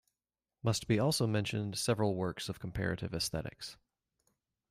Must be also mentioned several works of comparative aesthetics.